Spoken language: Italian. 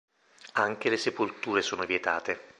Anche le sepolture sono vietate.